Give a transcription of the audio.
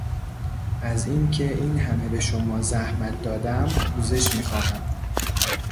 از اینکه این همه به شما زحمت دادم پوزش میخواهم.